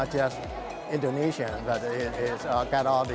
bukan hanya untuk memperkenalkan